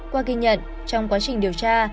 qua ghi nhận trong quá trình điều tra